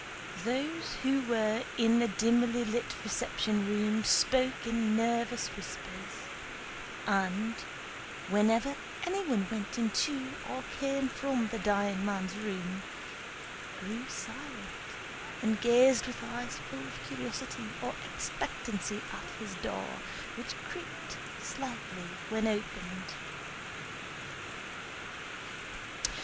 Those who were in the dimly lit reception room spoke in nervous whispers, and, whenever anyone went into or came from the dying man's room, grew silent and gazed with eyes full of curiosity or expectancy at his door, which creaked slightly when opened.